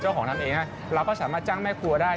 เจ้าของทำเองเราก็สามารถจ้างแม่ครัวได้